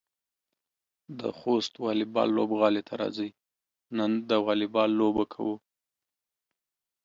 د خوست واليبال لوبغالي ته راځئ، نن د واليبال لوبه کوو.